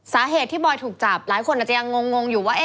สาเหตุที่บอยถูกจับหลายคนอาจจะยังงงอยู่ว่า